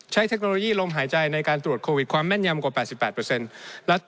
เทคโนโลยีลมหายใจในการตรวจโควิดความแม่นยำกว่า๘๘